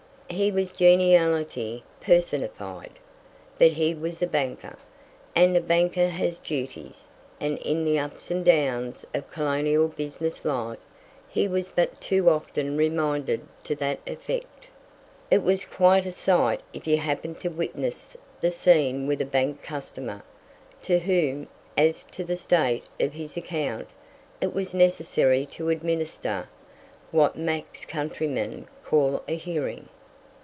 He was geniality personified. But he was a banker, and a banker has duties, and in the ups and downs of colonial business life, he was but too often reminded to that effect. It was quite a sight if you happened to witness the scene with a bank customer, to whom, as to "the state of his account," it was necessary to administer what Mac's countrymen call a "hearing."